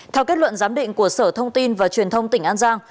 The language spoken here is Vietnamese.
theo kết luận giám định của sở thông tin và truyền thông tỉnh an giang